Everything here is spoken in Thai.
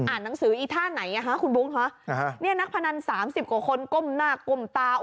หนังสืออีท่าไหนอ่ะฮะคุณบุ๊คฮะเนี่ยนักพนันสามสิบกว่าคนก้มหน้าก้มตา